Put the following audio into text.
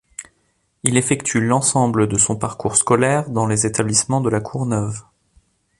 Il effectue l'ensemble de son parcours scolaire dans les établissements de La Courneuve.